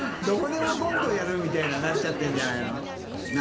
どこでもコントやるみたいななっちゃってんじゃないの？